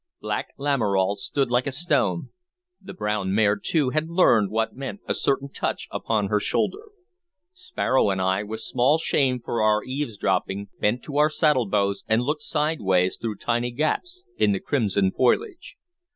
Black Lamoral stood like a stone; the brown mare, too, had learned what meant a certain touch upon her shoulder. Sparrow and I, with small shame for our eavesdropping, bent to our saddlebows and looked sideways through tiny gaps in the crimson foliage.